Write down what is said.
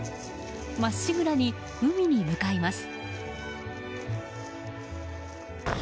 まっしぐらに海に向かいます。